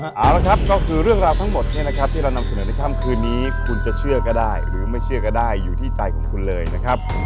เอาละครับก็คือเรื่องราวทั้งหมดเนี่ยนะครับที่เรานำเสนอในค่ำคืนนี้คุณจะเชื่อก็ได้หรือไม่เชื่อก็ได้อยู่ที่ใจของคุณเลยนะครับ